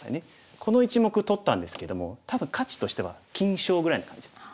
この１目取ったんですけども多分価値としては金将ぐらいの感じです。